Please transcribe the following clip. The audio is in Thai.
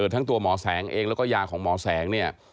ทั้งตัวหมอแสงเองแล้วก็ยาของหมอแสงเนี่ย